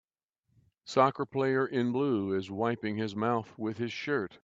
Soccer player in blue is wiping his mouth with his shirt